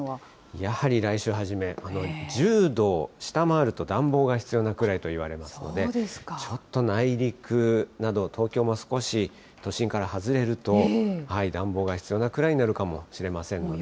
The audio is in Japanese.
やはり来週初め、１０度を下回ると暖房が必要なくらいといわれますので、ちょっと内陸など、東京も少し、都心から外れると、暖房が必要なくらいになるかもしれませんので。